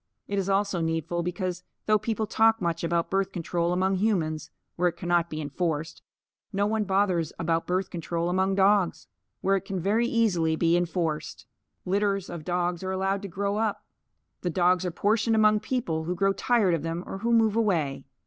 It is also needful because though people talk much about birth control among humans (where it cannot be enforced) no one bothers about birth control among dogs where it can very easily be enforced. Litters of dogs are allowed to grow up. The dogs are portioned among people who grow tired of them or who move away.